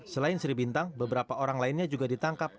selain sri bintang beberapa orang lainnya juga ditangkap